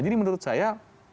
jadi menurut saya